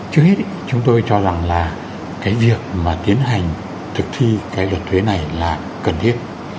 trước hết chúng tôi cho rằng là cái việc mà tiến hành thực thi cái luật thuế này là cần thiết